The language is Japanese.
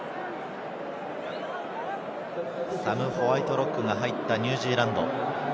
サム・ホワイトロックが入ったニュージーランド。